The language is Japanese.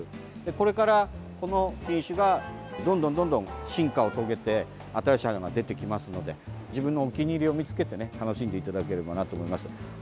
これから、この品種がどんどんどんどん進化を遂げて新しい花が出てきますので自分のお気に入りを見つけてね楽しんでいただければなと思います。